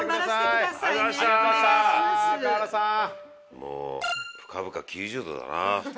もう深々９０度だな。